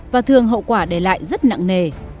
và thường hậu quả để lại rất nặng nề